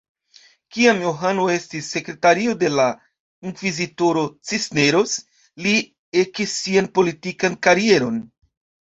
Kiam Johano estis sekretario de la inkvizitoro Cisneros, li ekis sian politikan karieron.